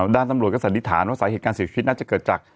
ด้านตำรวจก็สันนิษฐานว่าสาเหตุการณ์เสียชีวิตน่าจะเกิดจาก